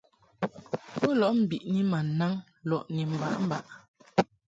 Bo lɔʼ mbiʼni ma naŋ lɔʼ ni mbaʼmbaʼ.